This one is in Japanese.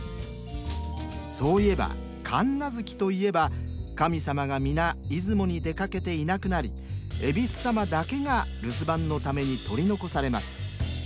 そういえば神無月といえば神様が皆出雲に出かけて居なくなり恵比寿様だけが留守番のために取り残されます。